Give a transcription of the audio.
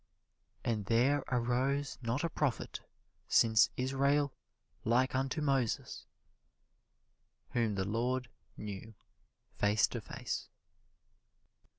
"And there arose not a prophet since Israel like unto Moses, whom the Lord knew face to face."